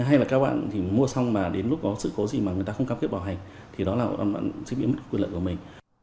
hay là các bạn thì mua xong mà đến lúc có sự cố gì mà người ta không cam kết bảo hành thì đó là bạn sẽ bị mất quyền lợi của mình